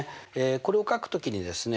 これを書く時にですね